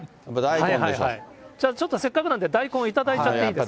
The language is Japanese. ちょっとせっかくなので、大根、頂いちゃっていいですか。